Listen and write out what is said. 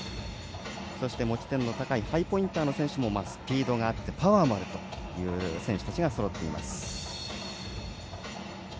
そして持ち点の高いハイポインターの選手はスピードがあってパワーもあるという選手たちがそろっています。